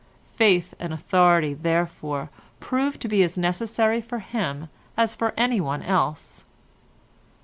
Faith and authority, therefore, prove to be as necessary for him as for anyone else.